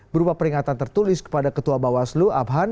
berupa peringatan tertulis kepada ketua bawaslu abhan